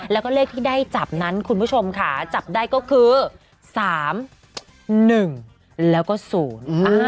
แล้วก็เลขที่ได้จับนั้นคุณผู้ชมค่ะจับได้ก็คือสามหนึ่งแล้วก็ศูนย์อ่า